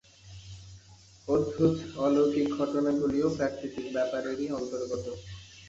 অদ্ভুত অলৌকিক ঘটনাগুলিও প্রাকৃতিক ব্যাপারেরই অন্তর্গত।